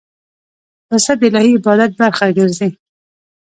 پسه د الهی عبادت برخه ګرځي.